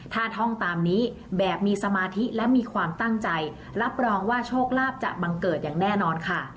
ถ้าท่องตามนี้แบบมีสมาธิและมีความตั้งใจรับรองว่าโชคลาภจะบังเกิดอย่างแน่นอนค่ะ